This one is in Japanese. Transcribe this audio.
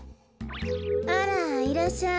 あらいらっしゃい。